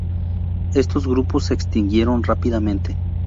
Estos grupos se extinguieron rápidamente.